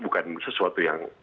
bukan sesuatu yang